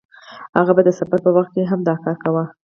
هغه به د سفر په وخت هم دا کار کاوه.